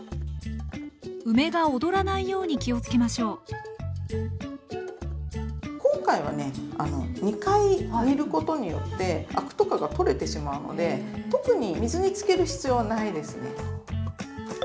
梅が踊らないように気をつけましょう今回はね２回煮ることによってアクとかが取れてしまうので特に水につける必要はないですね。